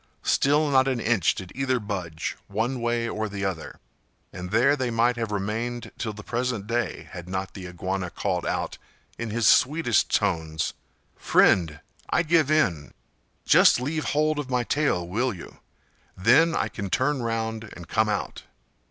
Still not an inch did either budge, one way or the other, and there they might have remained till the present day, had not the Iguana called out, in his sweetest tones, "Friend, I give in! Just leave hold of my tail, will you? then I can turn round and come out."